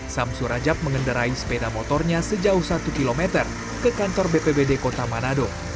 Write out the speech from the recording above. samsurajab mengendarai sepeda motornya sejauh satu km ke kantor bpbd kota manado